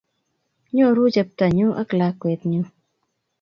Nyoru chepto nyu ak lakwet nyu.